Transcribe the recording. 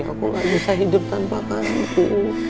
aku gak bisa hidup tanpa kamu